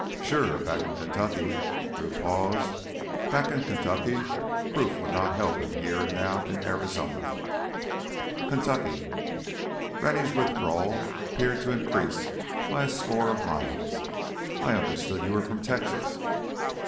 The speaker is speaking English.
"Sure. Back in Kentucky...." Drew paused. Back in Kentucky proof would not help him here and now in Arizona. "Kentucky?" Rennie's withdrawal appeared to increase by a score of miles. "I understood you were from Texas."